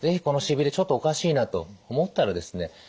このしびれちょっとおかしいなと思ったらですね